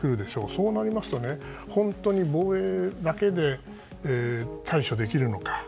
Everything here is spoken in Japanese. そうなりますと本当に防衛だけで対処できるのか。